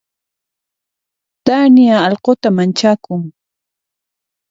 Tania allquta manchakun.